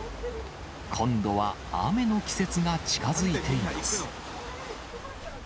今度は雨の季節が近づいています。